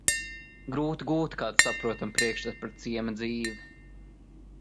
Grūti gūt kādu saprotamu priekšstatu par ciema dzīvi.